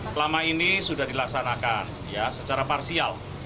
selama ini sudah dilaksanakan secara parsial